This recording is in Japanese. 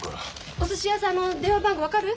おすし屋さんの電話番号分かる？